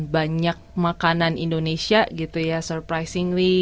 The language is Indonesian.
banyak makanan indonesia gitu ya surprisingly